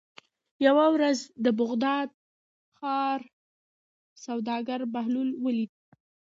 یوه ورځ د بغداد د ښار سوداګر بهلول ولید.